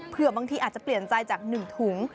บางทีอาจจะเปลี่ยนใจจาก๑ถุง